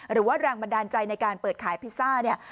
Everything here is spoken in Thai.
หรือว่าแรงบันดาลใจในการเปิดขายพิซซ่าเนี่ย